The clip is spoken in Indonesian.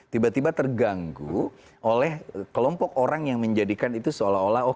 tiba tiba terganggu oleh kelompok orang yang menjadikan itu seolah olah